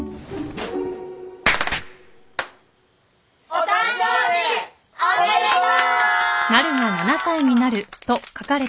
お誕生日おめでとう！